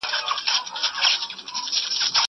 زه ږغ نه اورم!!